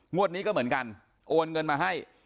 งวดนี้ก็เหมือนกันโอนเงินมาให้